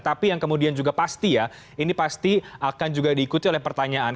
tapi yang kemudian juga pasti ya ini pasti akan juga diikuti oleh pertanyaan